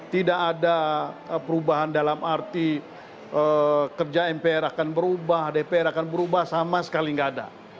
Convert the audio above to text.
tidak ada perubahan dalam arti kerja mpr akan berubah dpr akan berubah sama sekali nggak ada